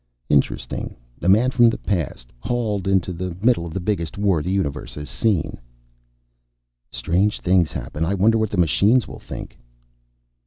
"Interesting. A man from the past hauled into the middle of the biggest war the universe has seen." "Strange things happen. I wonder what the machines will think."